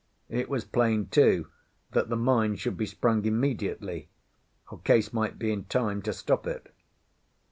It was plain, too, that the mine should be sprung immediately, or Case might be in time to stop it.